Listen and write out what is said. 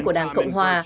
của đảng cộng hòa